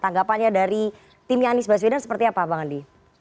tanggapannya dari timnya andi sbaswedan seperti apa bang andi